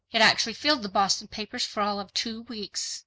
It actually filled the Boston papers for all of two weeks.